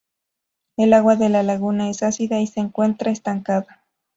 El agua de la laguna es ácida y se encuentra estancada.